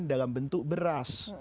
dalam bentuk beras